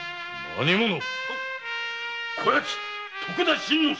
こやつ徳田新之助！